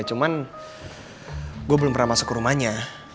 cuman gue belum pernah masuk ke rumahnya